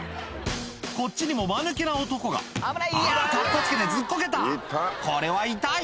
こっちにもマヌケな男があぁカッコつけてずっこけたこれは痛い！